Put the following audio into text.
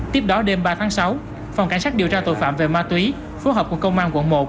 tiếp đó đêm ba tháng sáu phòng cảnh sát điều tra tội phạm về ma túy phối hợp cùng công an quận một